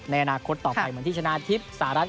ในอนาคตต่อไปเหมือนที่ชนะทฤษ